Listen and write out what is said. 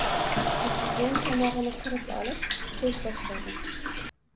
Prezident, tomog‘ini qirib olib, so‘z boshladi: